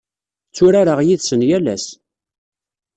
Tturareɣ yid-sen yal ass.